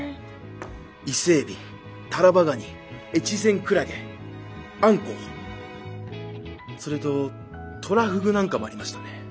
イセエビタラバガニエチゼンクラゲアンコウそれとトラフグなんかもありましたね。